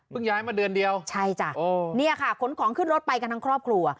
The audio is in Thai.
ย้ายมาเดือนเดียวใช่จ้ะเนี่ยค่ะขนของขึ้นรถไปกันทั้งครอบครัว